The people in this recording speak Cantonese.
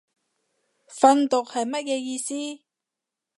訓讀係乜嘢意思